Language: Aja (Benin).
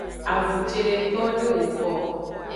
Avun cedeto de woko o.